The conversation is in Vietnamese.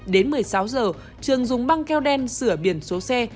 đến một mươi sáu giờ trường dùng băng keo đen sửa biển số xe